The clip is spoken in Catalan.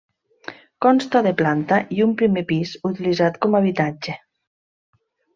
Consta de planta i un primer pis utilitzat com a habitatge.